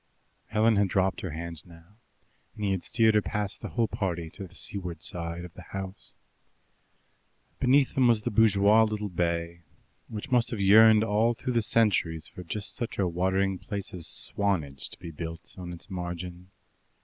Helen had dropped her hand now, and he had steered her past the whole party to the seaward side of the house. Beneath them was the bourgeois little bay, which must have yearned all through the centuries for just such a watering place as Swanage to be built on its margin.